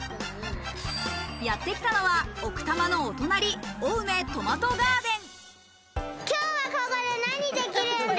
やってきたのは奥多摩のお隣、青梅トマトガーデン。